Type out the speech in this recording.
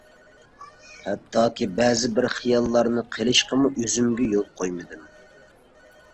ھەتتاكى بەزى بىر خىياللارنى قىلىشقىمۇ ئۆزۈمگە يول قويمىدىم.